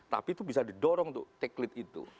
tapi itu bisa didorong untuk take lead itu